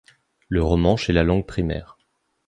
Le romanche est la langue primaire.